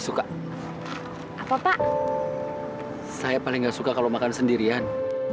saya tau yang paling laris pasti jamu kebahagiaan